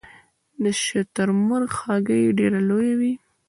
د شترمرغ هګۍ ډیره لویه وي